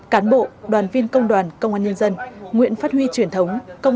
là vì công an thường là áng thượng